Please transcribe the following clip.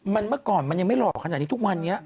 มันเมื่อก่อนมันยังไม่หล่อขนาดนี้ทุกวันนี้